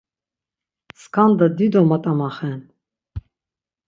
Skanda dido mat̆amaxen.